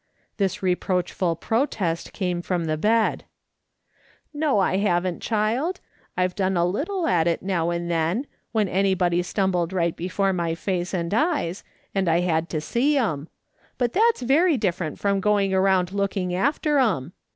This reproachful protest came from the bed. 234 ^^A'i SOLOMON SMITH LOO ICING ON. "No, I haven't, child; I've done a little at it now and then, when anybody stumbled right before my face and eyes, and I had to see 'em. But that's very different from going around looking after 'em.